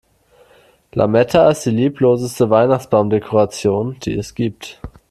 Lametta ist die liebloseste Weihnachtsbaumdekoration, die es gibt.